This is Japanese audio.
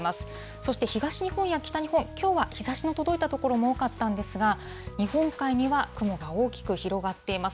そして東日本や北日本、きょうは日ざしの届いた所も多かったんですが、日本海には雲が大きく広がっています。